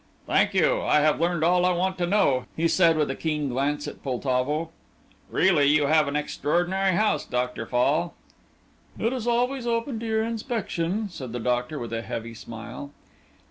"Thank you, I have learned all I want to know," he said with a keen glance at Poltavo. "Really, you have an extraordinary house, Dr. Fall." "It is always open to your inspection," said the doctor, with a heavy smile.